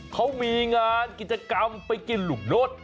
เขามีงานกิจกรรมไปกินหลุกโน้ต